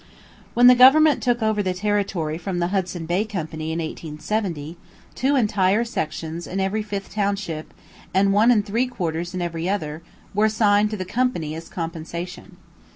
When the Government took over the territory from the Hudson Bay Company in 1870, two entire sections in every fifth township and one and three quarters in every other, were assigned to the Company as compensation.